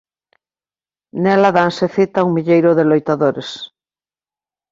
Nela danse cita un milleiro de loitadores.